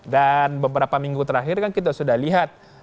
dan beberapa minggu terakhir kan kita sudah lihat